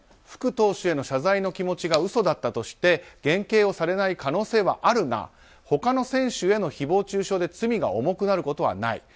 福投手への謝罪の気持ちが嘘だったとして減軽がされない可能性はあるが他の選手への誹謗中傷で罪が重くなることはない。